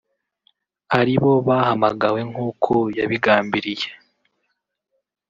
ari bo bahamagawe nk’uko yabigambiriye